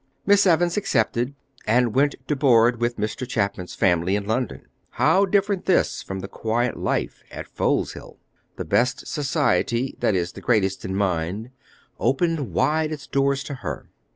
Miss Evans accepted, and went to board with Mr. Chapman's family in London. How different this from the quiet life at Foleshill! The best society, that is, the greatest in mind, opened wide its doors to her.